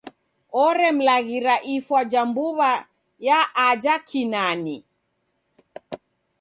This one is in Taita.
Oremlaghira ifwa ja mbu'wa ya aja Kinani.